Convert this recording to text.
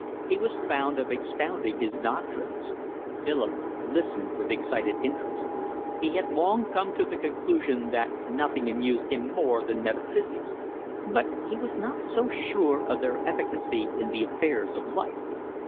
He was fond of expounding his doctrines. Philip listened with excited interest. He had long come to the conclusion that nothing amused him more than metaphysics, but he was not so sure of their efficacy in the affairs of life.